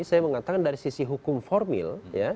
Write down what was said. saya mengatakan dari sisi hukum formil